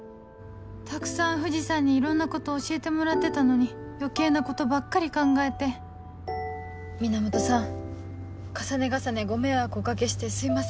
たくさん藤さんにいろんなこと教えてもらってたのに余計なことばっかり考えて源さん重ね重ねご迷惑お掛けしてすいません。